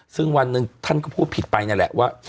ซึ่งวันหนึ่งท่านก็พูดผิดไปนั่นแหละว่า